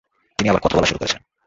তিন্নি আবার কথা বলা শুরু করেছে।